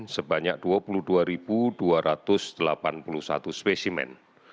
sebanyak dua puluh dua dua ratus delapan puluh satu spesimen